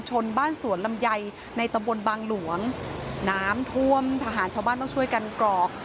บ้านสวนลำไยในตำบลบางหลวงน้ำท่วมทหารชาวบ้านต้องช่วยกันกรอก